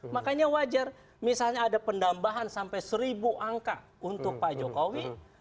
makanya wajar misalnya ada pendambahan sampai seribu angka untuk pak jokowi